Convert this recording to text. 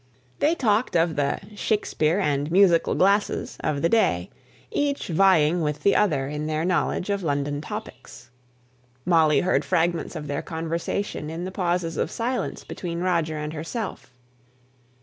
They talked of the "Shakspeare and musical glasses" of the day, each vieing with the other in their knowledge of London topics. Molly heard fragments of their conversation in the pauses of silence between Roger and herself.